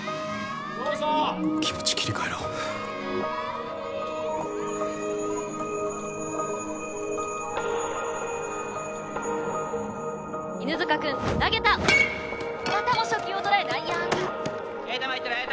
そうそう気持ち切り替えろ犬塚くん投げたまたも初球を捉え内野安打ええ球いってるええ